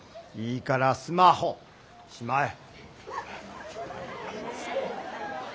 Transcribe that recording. いいからスマホしまえ。